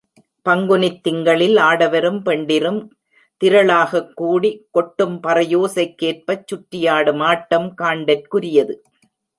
பங்குனித் திங்களில் ஆடவரும் பெண்டிரும் திரளாகக் கூடி, கொட்டும் பறையோசைக்கேற்பச் சுற்றியாடும் ஆட்டம் காண்டற்குரியது.